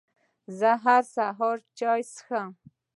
زه هر سهار چای څښم